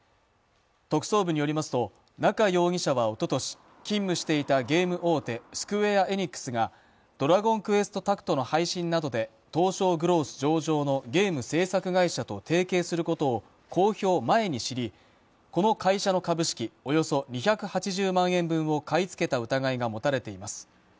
特捜部によりますと、中容疑者はおととし勤務していたゲーム大手、スクウェア・エニックスが「ドラゴンクエストタクト」の配信などで東証グロース上場のゲーム制作会社と提携することを公表前に知り、この会社の株式およそ２８０万円分を買い付けた疑いが持たれています。